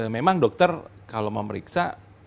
memang dokter kalau memeriksa